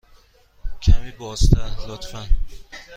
کمی بازتر، لطفاً.